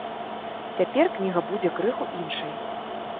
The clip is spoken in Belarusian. Цяпер кніга будзе крыху іншай.